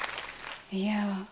いや！